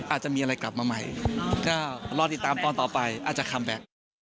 อาจจะมีอะไรกลับมาใหม่ก็รอติดตามตอนต่อไปอาจจะคัมแบ็ค